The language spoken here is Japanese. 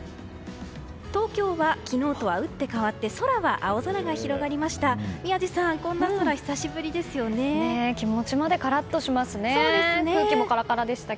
東京は昨日とは打って変わって空は青空が広がりました。